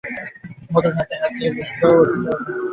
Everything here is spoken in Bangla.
মধুর হাতে হাত দিয়ে বুঝল এটা ওর খারাপ লাগে নি।